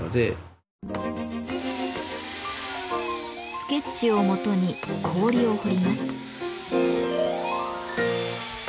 スケッチをもとに氷を彫ります。